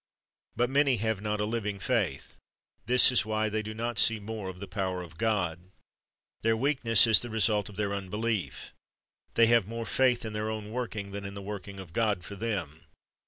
"^ But many have not a living faith. This is why they do not see more of the power of God. Their weakness is the result of their unbelief. They have more faith in their own working than in the working of God for them.